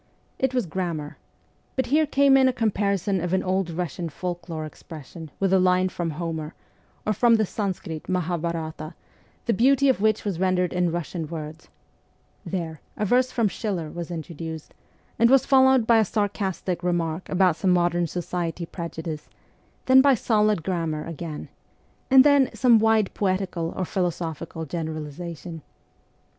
It was grammar : but here came in a comparison of an old Eussian folk lore expression with a line from Homer or from the Sanskrit Mahabharata, the beauty of which was rendered in Eussian words ; there, a verse from Schiller was introduced, and was followed by a sarcastic remark about some modern society prejudice ; then solid gram mar again, and then some wide poetical or philo sophical generalization.